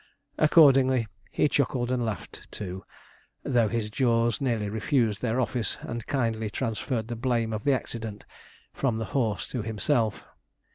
Accordingly, he chuckled and laughed too, though his jaws nearly refused their office, and kindly transferred the blame of the accident from the horse to himself.